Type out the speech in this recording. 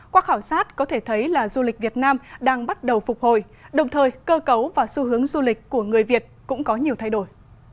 qua khảo sát có thể thấy là du lịch việt nam đang bắt đầu phục hồi đồng thời cơ cấu và xu hướng du lịch của người việt cũng có nhiều thay đổi